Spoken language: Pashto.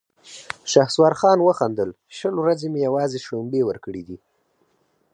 شهسوار خان وخندل: شل ورځې مې يواځې شړومبې ورکړې دي!